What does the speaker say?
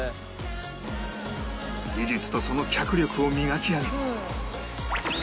技術とその脚力を磨き上げ